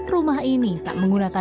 rumah ini tak menggunakan